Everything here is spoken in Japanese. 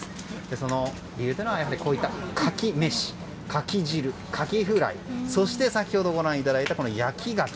その理由というのはこういったカキ飯カキ汁、カキフライそして、先ほどご覧いただいた焼きガキ。